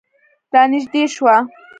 رانږدې شوه.